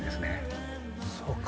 そうか。